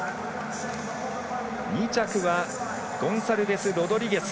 ２着は、ゴンサルベスロドリゲス。